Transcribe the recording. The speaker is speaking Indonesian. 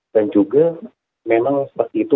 dan juga memang seperti itu